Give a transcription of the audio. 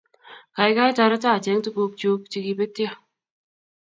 Kaikai toreton acheng' tuguk chuk chekipetyo